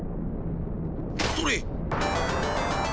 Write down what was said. それ！